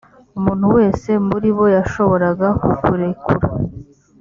umuntu wese muri bo yashoboraga kukurekura